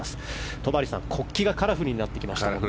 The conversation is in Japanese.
戸張さん、国旗がカラフルになってきましたね。